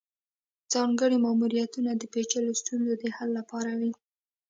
ځانګړي ماموریتونه د پیچلو ستونزو د حل لپاره وي